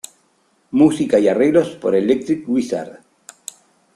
Música y arreglos por Electric Wizard.